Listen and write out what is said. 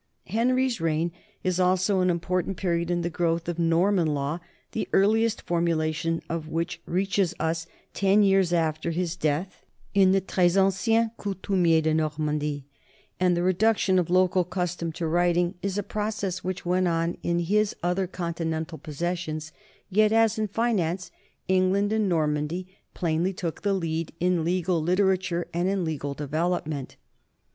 Henry's reign is also an important period in the growth of Norman law, the earliest formulation of which reaches us ten years after his death in the Trbs Ancien Coutumier de Normandie, and the reduction of local custom to writing is a process THE NORMAN EMPIRE 109 which went on in his other continental possessions ; yet, as in finance, England and Normandy plainly took the lead in legal literature and in legal development.